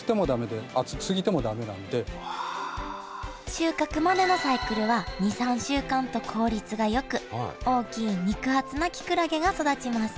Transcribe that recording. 収穫までのサイクルは２３週間と効率がよく大きい肉厚なきくらげが育ちます